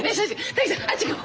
タケちゃんあっち行こう。